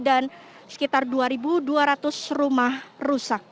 dan sekitar dua dua ratus rumah rusak